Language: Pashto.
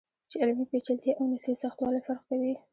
چې علمي پیچلتیا او نثري سختوالی فرق کوي.